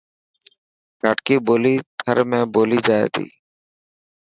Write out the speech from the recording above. ڌاٽڪي ٻولي ٿر۾ ٻولي جائي ٿي.